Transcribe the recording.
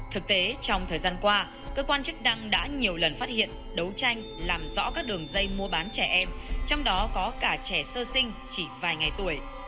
thực tế trong thời gian qua cơ quan chức năng đã nhiều lần phát hiện đấu tranh làm rõ các đường dây mua bán trẻ em trong đó có cả trẻ sơ sinh chỉ vài ngày tuổi